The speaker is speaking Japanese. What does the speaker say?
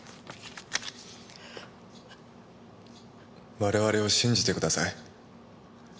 我々を信じてください。